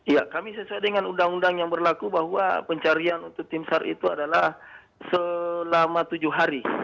ya kami sesuai dengan undang undang yang berlaku bahwa pencarian untuk tim sar itu adalah selama tujuh hari